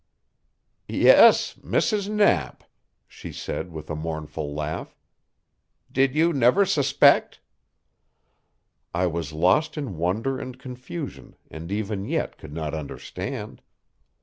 "Yes, Mrs. Knapp," she said with a mournful laugh. "Did you never suspect?" I was lost in wonder and confusion, and even yet could not understand.